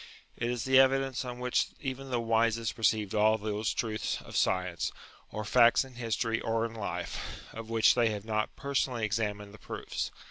It is the evidence on which even the wisest receive all those truths of science, or facts in history or in life, of which they have not personally examined the proofs.